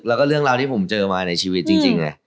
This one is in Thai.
แล้วก็เรื่องราวที่ผมเจอมาในชีวิตจริงเลย